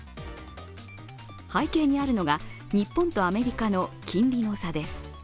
背景にあるのが日本とアメリカの金利の差です。